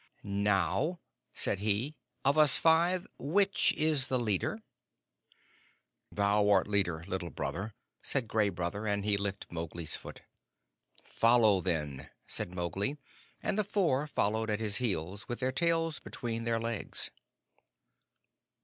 "Now," said he, "of us five, which is leader?" "Thou art leader, Little Brother," said Gray Brother, and he licked Mowgli's foot. "Follow, then," said Mowgli, and the four followed at his heels with their tails between their legs.